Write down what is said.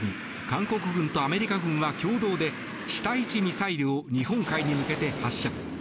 韓国軍とアメリカ軍は共同で地対地ミサイルを日本海に向けて発射。